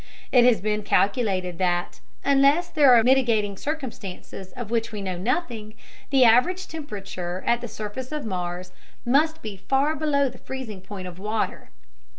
It has been calculated that, unless there are mitigating circumstances of which we know nothing, the average temperature at the surface of Mars must be far below the freezing point of water.